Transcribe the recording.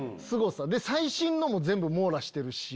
で最新のも全部網羅してるし。